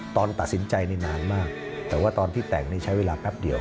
ตอนตัดสินใจนี่นานมากแต่ว่าตอนที่แต่งนี่ใช้เวลาแป๊บเดียว